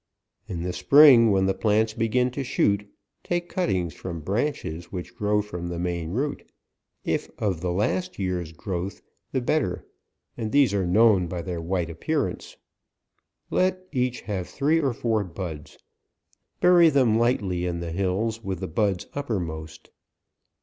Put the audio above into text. In the spring, when the plants begin to shoot, take cuttings from branches which grow from the main root; if of the la>t year's growth the better, and these are known by their white appearance ; let each have three or four buds ; bury them lightly in the bills, with the buds uppermost.